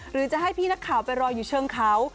หรือจะให้พี่นักข่าวไปรออยู่เชิงเขา